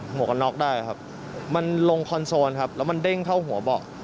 หัวกระน็อกได้ครับมันลงคอนโซลครับแล้วมันเด้งเข้าหัวเบาะ